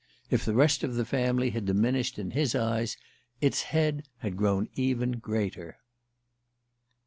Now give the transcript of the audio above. If the rest of the family had diminished in his eyes, its head had grown even greater.